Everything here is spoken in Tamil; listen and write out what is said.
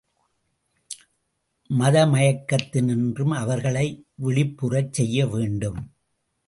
மத மயக்கத்தினின்றும் அவர்களை விழிப்புறச் செய்ய வேண்டும்.